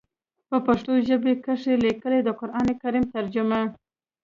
پۀ پښتو ژبه کښې ليکلی د قران کريم ترجمه